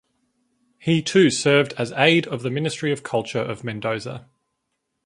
He too served as aide of the Ministry of Culture of Mendoza.